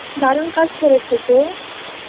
দারুন কাজ করেছো, জো।